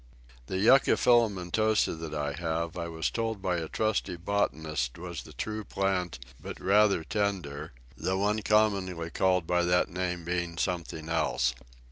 The Yucca filamentosa that I have I was told by a trusty botanist was the true plant, but rather tender, the one commonly called by that name being something else.